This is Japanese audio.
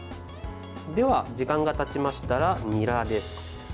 時間がたちましたら、にらです。